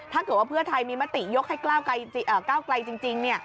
ถ้าเกิดว่าเพื่อไทยมีมติยกให้ก้าวไกลจริงเนี่ย